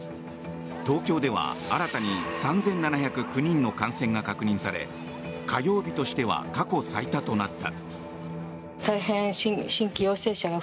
東京では新たに３７０９人の感染が確認され火曜日としては過去最多となった。